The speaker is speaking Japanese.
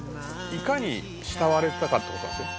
いかに慕われてたかって事なんですよ」